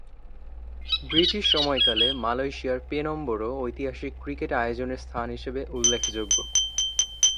British সময়কালে মালয়েশিয়ার পেনম্বরও ঐতিহাসিক ক্রিকেট আয়োজনের স্থান হিসেবে উল্লেখযোগ্য।